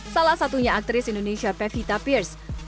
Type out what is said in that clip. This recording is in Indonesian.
salah satunya aktris indonesia pevita pierce